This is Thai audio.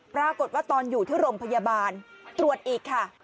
ปรากฏว่าตอนอยู่ที่โรงพยาบาลตรวจอีกค่ะ